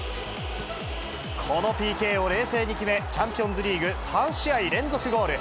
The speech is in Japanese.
このＰＫを冷静に決め、チャンピオンズリーグ３試合連続ゴール。